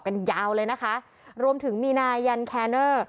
ยาวเลยนะคะรวมถึงมีนายยันแคเนอร์